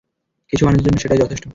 কিছু মানুষের জন্য সেটাই যথেষ্ট।